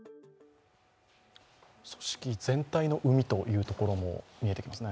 組織全体の膿というところも見えてきますね。